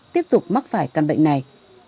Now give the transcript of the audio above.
tiếp tục mắc phải căn bệnh này